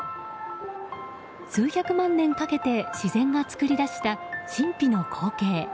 数百万年かけて自然が作り出した神秘の光景。